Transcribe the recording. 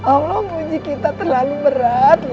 allah muji kita terlalu berat